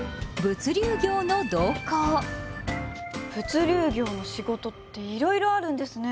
物流業の仕事っていろいろあるんですね。